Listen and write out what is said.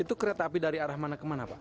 itu kereta api dari arah mana ke mana pak